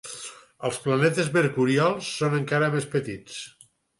Els planetes mercurials són encara més petits.